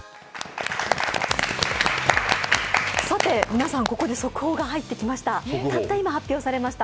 皆さん、ここで速報が入ってきました。